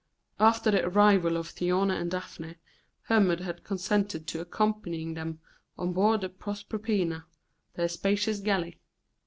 After the arrival of Thyone and Daphne, Hermon had consented to accompany them on board the Proserpina, their spacious galley.